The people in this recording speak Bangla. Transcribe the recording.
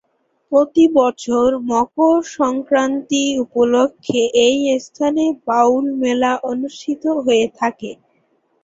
প্রতি বছর মকর সংক্রান্তি উপলক্ষে এই স্থানে বাউল মেলা অনুষ্ঠিত হয়ে থাকে।